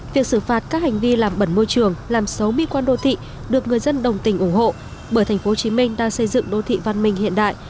việc xử phạt các hành vi làm bẩn môi trường làm xấu mỹ quan đô thị được người dân đồng tình ủng hộ bởi tp hcm đang xây dựng đô thị văn minh hiện đại